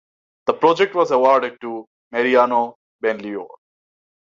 The project was awarded to Mariano Benlliure.